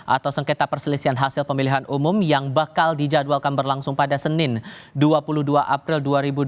atau sengketa perselisihan hasil pemilihan umum yang bakal dijadwalkan berlangsung pada senin dua puluh dua april dua ribu dua puluh